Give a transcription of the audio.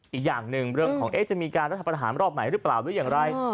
อีกอย่างหนึ่งเรื่องของจะมีการรัฐประหารรอบใหม่หรือเปล่าหรืออย่างไร